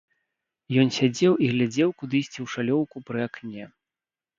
Ён сядзеў і глядзеў кудысьці ў шалёўку пры акне.